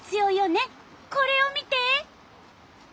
これを見て！